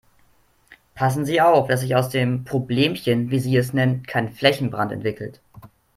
Passen Sie auf, dass sich aus dem Problemchen, wie Sie es nennen, kein Flächenbrand entwickelt.